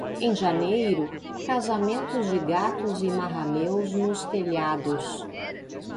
Em janeiro, casamentos de gatos e marrameus nos telhados.